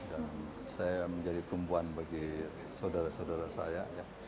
dan saya menjadi perempuan bagi saudara saudara saya